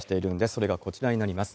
それがこちらになります。